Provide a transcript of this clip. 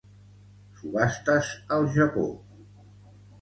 Subhastes al Japó.